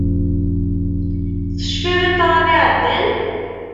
Tecfiḍ i ṭṭrad iɛeddan.